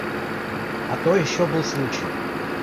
А то ещё был случай.